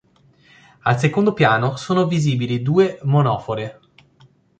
Al secondo piano sono visibili due monofore.